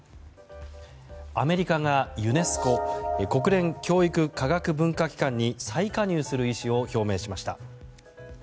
アメリカがユネスコ・国連教育科学文化機関に再加入する意思を表明しました。